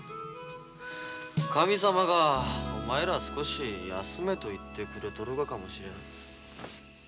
神様がお前ら少し休めと言ってくれとるがかもしれん。